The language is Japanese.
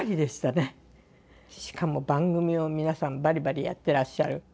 しかも番組を皆さんバリバリやってらっしゃる。